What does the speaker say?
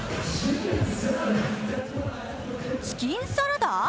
チキンサラダ？